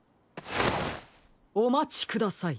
おまちください。